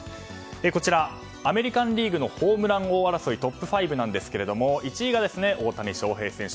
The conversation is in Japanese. こちら、アメリカン・リーグホームラン王争いのトップ５ですが１位が大谷翔平選手